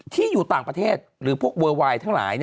ที่อยู่ต่างประเทศหรือพวกเวอร์ไวน์ทั้งหลาย